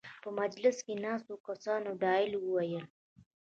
په مجلس کې ناستو کسانو دلایل وویل.